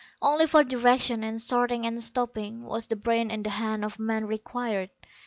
Only for direction, and starting and stopping, was the brain and the hand of man required.